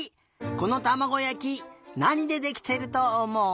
このたまごやきなにでできてるとおもう？